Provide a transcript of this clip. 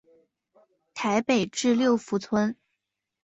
台北至六福村。